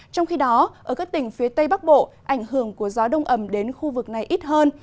trong khi đó ở các tỉnh phía tây bắc bộ ảnh hưởng của gió đông ẩm đến khu vực này ít hơn